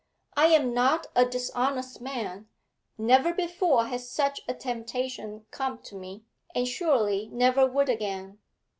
I am not a dishonest man; never before has such a temptation come to me, and surely never would again.